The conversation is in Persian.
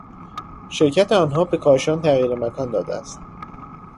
شرکت آنها به کاشان تغییر مکان داده است.